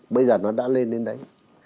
bây giờ nó đã lên đến đấy